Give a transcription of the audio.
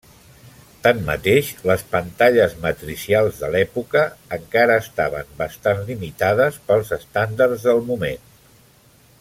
Tanmateix, les pantalles matricials de l'època encara estaven bastant limitades pels estàndards del moment.